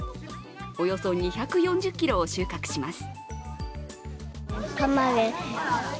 およそ２４０ｋｇを収穫します。